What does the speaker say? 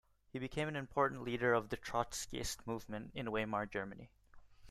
He became an important leader of the Trotskyist movement in Weimar Germany.